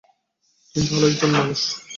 তুমি ভালো একজন মানুষ।